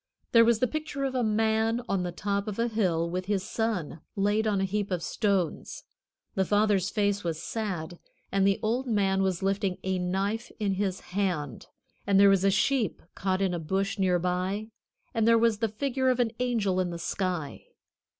There was the picture of a man on the top of a hill with his son laid on a heap of stones. The father's face was sad, and the old man was lifting a knife in his hand; and there was a sheep caught in a bush near by; and there was the figure of an angel in the sky.